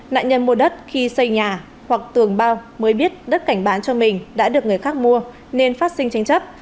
nạn nhân mua đất khi xây nhà hoặc tường bao mới biết đất cảnh bán cho mình đã được người khác mua nên phát sinh tranh chấp